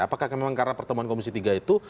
apakah memang karena pertemuan komisi tiga itu